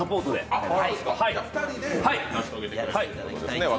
二人で成し遂げていただくということですね。